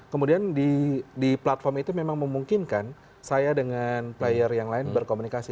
kemudian di platform itu memang memungkinkan saya dengan player yang lain berkomunikasi